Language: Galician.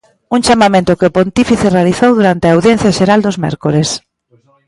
Un chamamento que o pontífice realizou durante a audiencia xeral dos mércores.